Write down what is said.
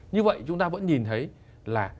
như vậy chúng ta vẫn nhìn thấy là